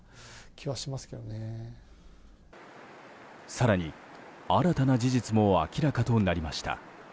更に新たな事実も明らかとなりました。